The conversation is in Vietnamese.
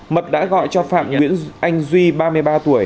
mật đã gọi cho phạm nguyễn anh duy ba mươi ba tuổi